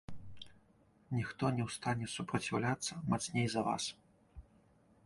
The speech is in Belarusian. Ніхто не ў стане супраціўляцца мацней за вас.